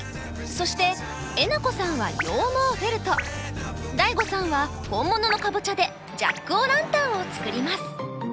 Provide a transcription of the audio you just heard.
そしてえなこさんは羊毛フェルトＤＡＩＧＯさんは本物のカボチャでジャック・オ・ランタンを作ります。